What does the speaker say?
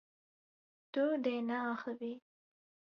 Tu dê neaxivî.